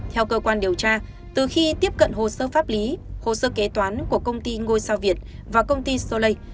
theo cơ quan điều tra từ khi tiếp cận hồ sơ pháp lý hồ sơ kế toán của công ty ngôi sao việt và công ty solay